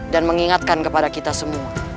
dan mengingatkan kepada kita semua